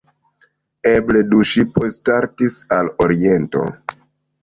Eble du ŝipoj startis al Oriento.